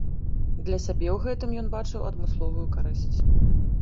Для сябе ў гэтым ён бачыў адмысловую карысць.